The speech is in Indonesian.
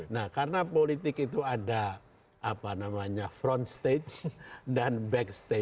nah karena politik itu ada apa namanya front stage dan backstage